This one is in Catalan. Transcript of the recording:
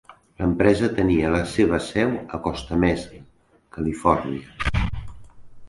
L'empresa tenia la seva seu a Costa Mesa, Califòrnia.